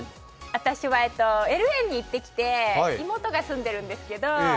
私はＬＡに行ってきて、妹が住んでいるんですけど。